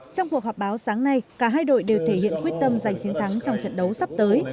trong cuộc họp báo sáng nay cả hai đội đều thể hiện quyết tâm giành chiến thắng trong trận đấu sắp tới